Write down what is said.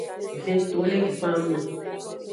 Vetolegbanme.